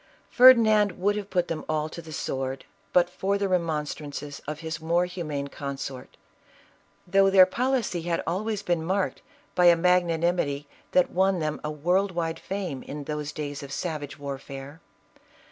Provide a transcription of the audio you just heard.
Ferdinand would have put them all to the sword but for the remonstrances of his more humane consort, though their policy had always been marked by a magnanimity that won them a world wide fame in those days of savage warfare.